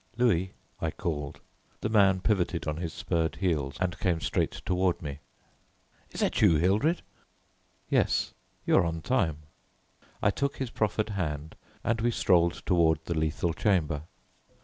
"Louis," I called. The man pivoted on his spurred heels and came straight toward me. "Is that you, Hildred?" "Yes, you are on time." I took his offered hand, and we strolled toward the Lethal Chamber.